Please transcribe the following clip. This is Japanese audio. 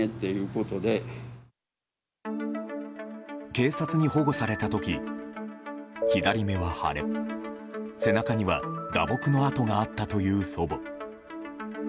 警察に保護された時左目は腫れ背中には打撲の痕があったという祖母。